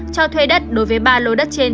cho thuê đất đối với ba lầu đất trên